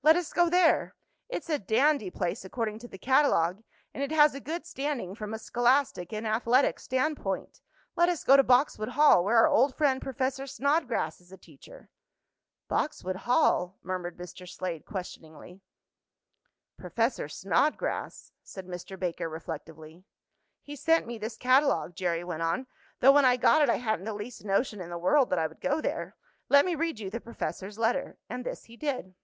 Let us go there! It's a dandy place, according to the catalogue, and it has a good standing from a scholastic and athletic standpoint. Let us go to Boxwood Hall, where our old friend, Professor Snodgrass, is a teacher." "Boxwood Hall?" murmured Mr. Slade, questioningly. "Professor Snodgrass," said Mr. Baker, reflectively. "He sent me this catalogue," Jerry went on, "though when I got it I hadn't the least notion in the world that I would go there. Let me read you the professor's letter"; and this he did.